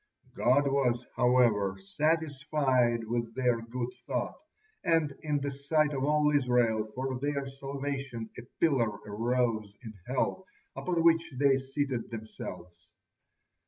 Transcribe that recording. God was, however, satisfied with their good thought, and in the sight of all Israel, for their salvation, a pillar arose in hell, upon which they seated themselves.